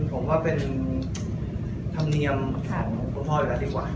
ผมว่าเป็นธรรมเนียมของคุณพ่ออยู่แล้วดีกว่า